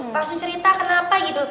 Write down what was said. langsung cerita kenapa gitu